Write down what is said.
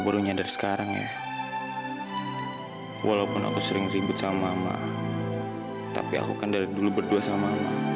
baru nyadar sekarang ya walaupun aku sering ribet sama mama tapi aku kan dari dulu berdua sama